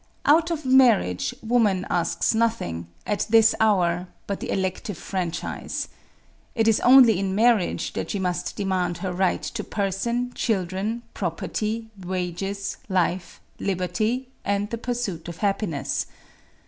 Out of marriage, woman asks nothing, at this hour, but the elective franchise. It is only in marriage that she must demand her right to person, children, property, wages, life, liberty, and the pursuit of happiness.